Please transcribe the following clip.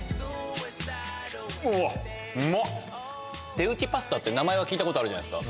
手打ちパスタって名前は聞いたことあるじゃないですか。